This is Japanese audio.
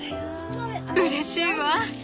うれしいわ。